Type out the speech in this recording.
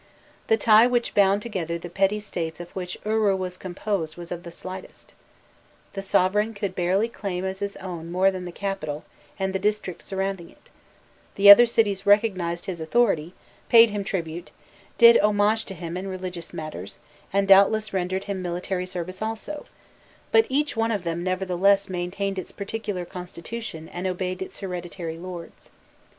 The tie which bound together the petty states of which Uru was composed was of the slightest. The sovereign could barely claim as his own more than the capital and the district surrounding it; the other cities recognized his authority, paid him tribute, did homage to him in religious matters, and doubtless rendered him military service also, but each one of them nevertheless maintained its particular constitution and obeyed its hereditary lords.